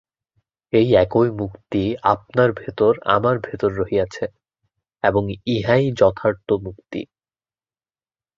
এই একই মুক্তি আপনার ভিতর, আমার ভিতর রহিয়াছে এবং ইহাই একমাত্র যথার্থ মুক্তি।